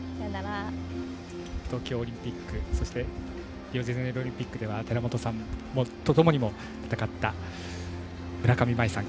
東京オリンピックそして、リオデジャネイロオリンピックでは寺本さんとともに戦った村上茉愛さん。